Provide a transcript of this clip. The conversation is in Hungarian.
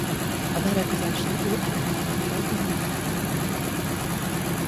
A várakozási idő általában több mint három óra volt.